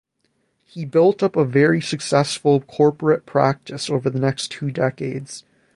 He built up a very successful corporate practice over the next two decades.